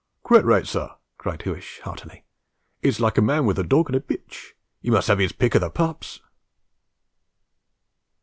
'Quite right, sir!' cried Huish, heartily. 'It's like a man with a dog an' a bitch 'e must 'ave 'is pick o' the pups!'